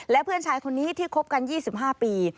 และเพื่อนชายคนนี้ที่คบกัน๒๕ปี